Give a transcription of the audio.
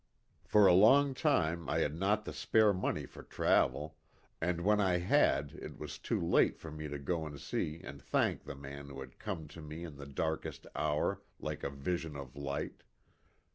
" For a long time I had not the spare money for travel, and when I had it was too late for me to go and see and thank the man who had come to me in the darkest hour like a vision of light.